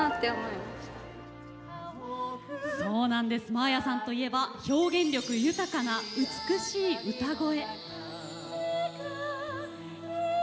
真彩さんといえば表現力豊かな美しい歌声。